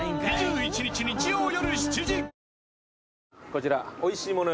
こちらおいしいもの